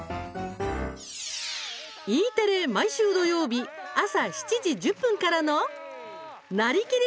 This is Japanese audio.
Ｅテレ毎週土曜日朝７時１０分からの「なりきり！